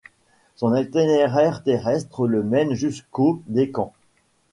Son itinéraire terrestre le mène jusqu'au Deccan.